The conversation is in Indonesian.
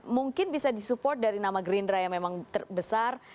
mungkin bisa disupport dari nama gerindra yang memang terbesar